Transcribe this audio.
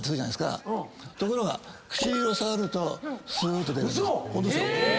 ところが唇を触るとすーっと出るんです。え！